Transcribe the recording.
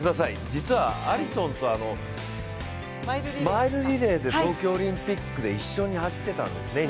実はアリソンとマイルリレーで東京オリンピックで一緒に走ってたんですね。